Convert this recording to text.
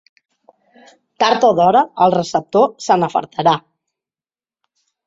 Tard o d'hora el receptor se n'afartarà.